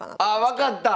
あ分かった！